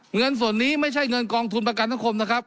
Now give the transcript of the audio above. เงินส่วนนี้ไม่ใช่เงินกองทุนประกันสังคมนะครับ